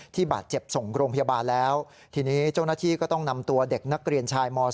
บาดเจ็บส่งโรงพยาบาลแล้วทีนี้เจ้าหน้าที่ก็ต้องนำตัวเด็กนักเรียนชายม๒